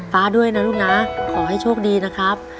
ฟ้าด้วยนะลูกนะขอให้โชคดีนะครับ